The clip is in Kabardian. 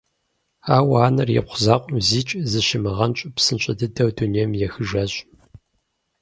Ауэ анэр ипхъу закъуэм зикӀ зыщимыгъэнщӀу псынщӀэ дыдэу дунейм ехыжащ.